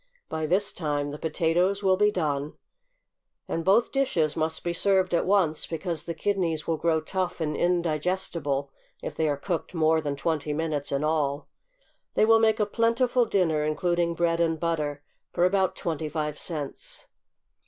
By this time the potatoes will be done, and both dishes must be served at once, because the kidneys will grow tough and indigestible if they are cooked more than twenty minutes in all. They will make a plentiful dinner, including bread and butter, for about twenty five cents.